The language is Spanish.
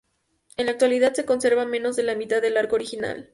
En la actualidad se conserva menos de la mitad del arco original.